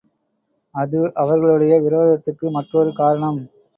அது அவர்களுடைய விரோதத்துக்கு மற்றொரு காரணம்.